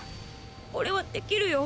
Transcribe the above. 俺はできるよ